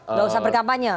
enggak usah berkampanye